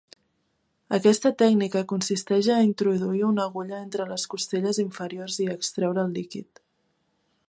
Aquesta tècnica consisteix a introduir una agulla entre les costelles inferiors i extreure el líquid.